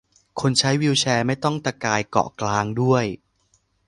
คนใช้วีลแชร์ไม่ต้องตะกายเกาะกลางด้วย